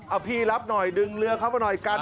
เอาพี่รับหน่อยดึงเรือเข้ามาหน่อยกัน